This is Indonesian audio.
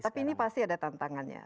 tapi ini pasti ada tantangannya